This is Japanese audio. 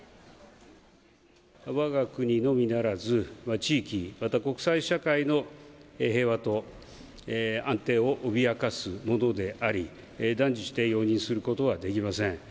わが国のみならず、地域、また国際社会の平和と安定を脅かすものであり、断じて容認することはできません。